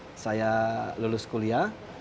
setelah saya lulus kuliah